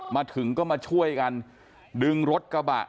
มาถึงก็มาช่วยกันดึงรถกระบะ